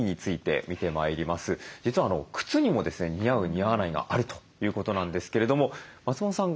実は靴にもですね似合う似合わないがあるということなんですけれども松本さん